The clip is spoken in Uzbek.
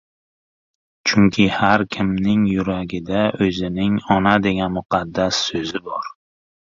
Chunki har kimning yuragida o‘zining “Ona!” degan muqaddas so‘zi bor.